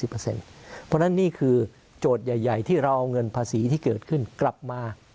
เพราะฉะนั้นนี่คือโจทย์ใหญ่ที่เราเอาเงินภาษีที่เกิดขึ้นกลับมา